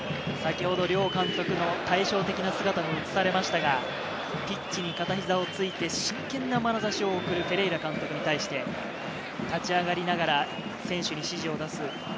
先ほど両監督の対照的な姿が映されましたが、ピッチに片膝をついて、真剣なまなざしを送るフェレイラ監督に対して、立ち上がりながら選手に指示を出す。